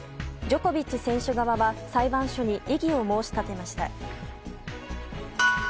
ジョコビッチ選手側は裁判所に異議を申し立てました。